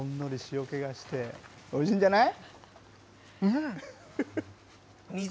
ほんのり塩けがしておいしいんじゃない？